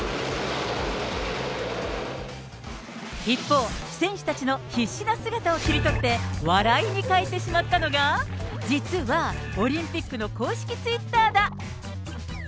一方、選手たちの必死な姿を切り取って、笑いに変えてしまったのが、実は、オリンピックの公式ツイッターだ。